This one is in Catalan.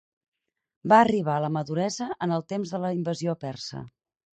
Va arribar a la maduresa en el temps de la invasió persa.